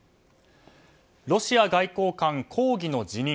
ロシア外交官、抗議の辞任。